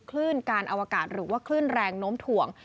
คลื่นการอวกาศหรือว่าคลื่นแรงโน้มถ่วง